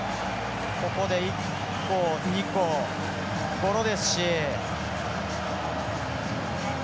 ここで１個、２個、ゴロですし。